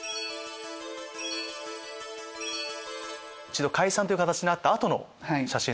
一度解散という形になった後の写真。